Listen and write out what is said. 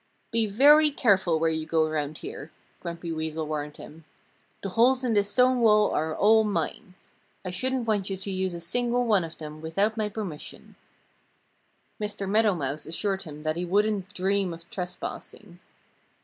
"Be very careful where you go around here!" Grumpy Weasel warned him. "The holes in this stone wall are all mine. I shouldn't want you to use a single one of them without my permission." Mr. Meadow Mouse assured him that he wouldn't dream of trespassing.